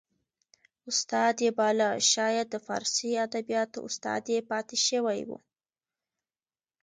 استاد یې باله شاید د فارسي ادبیاتو استاد یې پاته شوی و